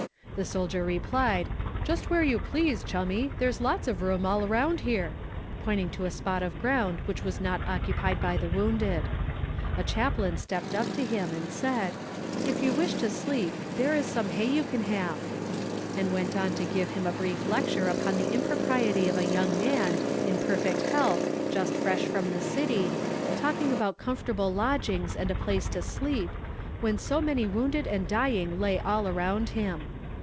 The soldier replied, "Just where you please, chummy; there is lots of room all around here," pointing to a spot of ground which was not occupied by the wounded. A chaplain stepped up to him, and said: "If you wish to sleep, there is some hay you can have;" and went on to give him a brief lecture upon the impropriety of a young man, in perfect health, just fresh from the city, talking about comfortable lodgings, and a place to sleep, when so many wounded and dying lay all around him.